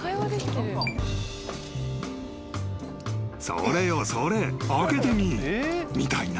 ［「それよそれ！開けてみ！」みたいな］